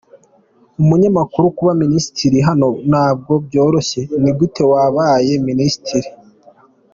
Umunyamakuru: Kuba minisitiri hano ntabwo byoroshye; ni gute wabaye Minisitiri?.